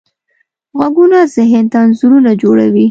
غږونه ذهن ته انځورونه جوړوي.